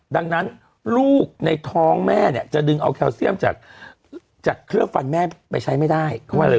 ดังนั้นลูกในท้องแม่เนี่ยจะดึงเอาแคลเซียมจากเคลือบฟันแม่ไปใช้ไม่ได้